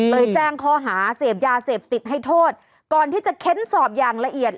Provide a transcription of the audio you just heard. แจ้งข้อหาเสพยาเสพติดให้โทษก่อนที่จะเค้นสอบอย่างละเอียด